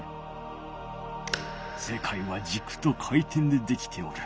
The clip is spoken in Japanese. せかいはじくと回転でできておる。